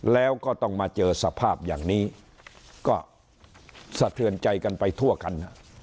แล้วก็ต้องมาเจอสภาพอย่างนี้ก็สะเทือนใจกันไปทั่วกัน